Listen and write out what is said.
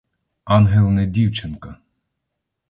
Ангел — не дівчинка.